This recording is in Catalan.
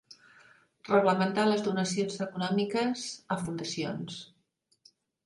Reglamentar les donacions econòmiques a fundacions.